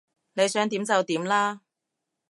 你想點就點啦